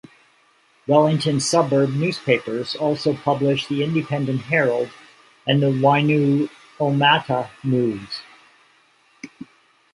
Wellington Suburban Newspapers also publish the Independent Herald and the Wainuiomata News.